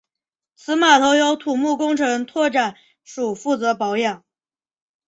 此码头由土木工程拓展署负责保养。